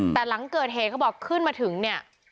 แต่หลังเกิดเหตุเขาบอกขึ้นมาถึงเนี่ย